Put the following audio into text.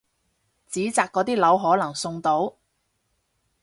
紙紮嗰啲樓可能送到！